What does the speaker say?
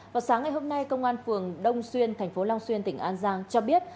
vào sáng ngày hôm nay công an phường đông xuyên thành phố long xuyên tỉnh an giang cho biết